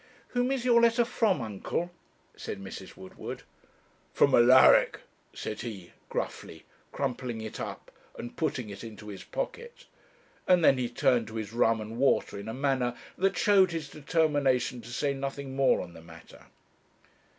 'Whom is your letter from, uncle?' said Mrs. Woodward. 'From Alaric,' said he, gruffly, crumpling it up and putting it into his pocket. And then he turned to his rum and water in a manner that showed his determination to say nothing more on the matter.